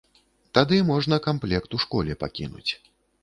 Тады можна камплект у школе пакінуць.